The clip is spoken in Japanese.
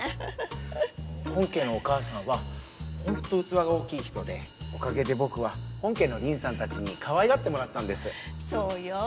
本家のお母さんはホント器が大きい人でおかげで僕は本家の凛さんたちにかわいがってもらったんです。そうよ。